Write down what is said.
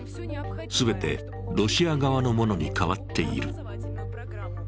全てロシア側のものに変わっている。